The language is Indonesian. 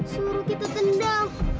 suruh kita tendang